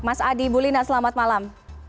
mas adi bulina selamat malam